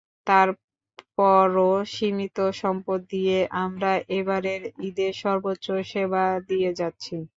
তার পরও সীমিত সম্পদ দিয়ে আমরা এবারের ঈদে সর্বোচ্চ সেবা দিয়ে যাচ্ছি।